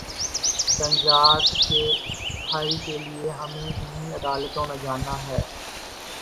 تنازعات کے حل کے لیے ہمیں انہی عدالتوں میں جانا ہے۔